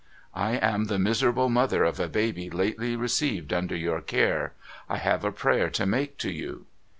' I am the miserable mother of a baby lately received under your care. I have a prayer to make to you.'